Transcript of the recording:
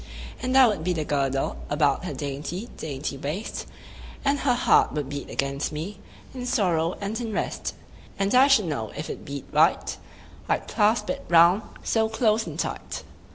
And I would be the girdle About her dainty dainty waist, And her heart would beat against me, In sorrow and in rest: 10 And I should know if it beat right, I'd clasp it round so close and tight.